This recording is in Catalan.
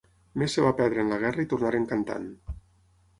Més es va perdre en la guerra i tornaren cantant.